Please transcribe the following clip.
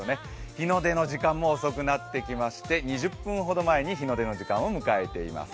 日の出の時間も遅くなってきまして２０分ほど前に日の出の時間を迎えています。